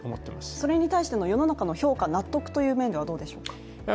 それに対しての世の中の評価、納得という面ではどうでしょうか？